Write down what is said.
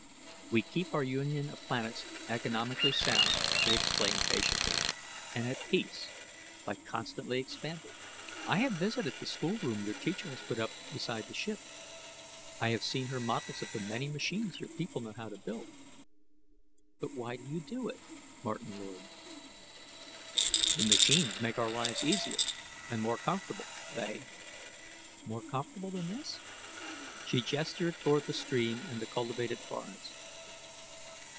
"We keep our union of planets economically sound," he explained patiently, "and at peace by constantly expanding " "I have visited the schoolroom your teacher has put up beside the ship. I have seen her models of the many machines your people know how to build. But why do you do it, Martin Lord?" "The machines make our lives easier and more comfortable; they " "More comfortable than this?" She gestured toward the stream and the cultivated forest.